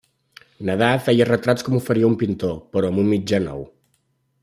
Nadar feia retrats com ho faria un pintor però amb un mitjà nou.